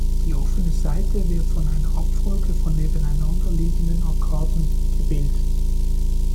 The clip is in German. Die offene Seite wird von einer Abfolge von nebeneinander liegenden Arkaden gebildet.